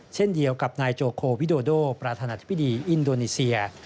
เช่นเดียวกับนายโจโควิโดโดประธานาธิบดีอินโดนีเซีย